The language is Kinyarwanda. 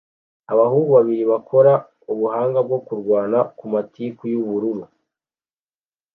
Abahungu babiri bakora ubuhanga bwo kurwana ku matiku y'ubururu